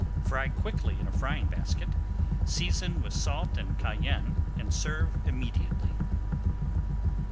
Fry quickly in a frying basket, season with salt and cayenne, and serve immediately.